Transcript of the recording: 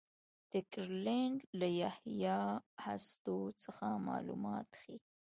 د ګرینلنډ له یخي هستو څخه معلومات ښيي.